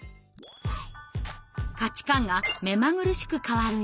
価値観が目まぐるしく変わる